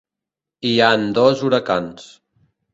Hi han dos huracans.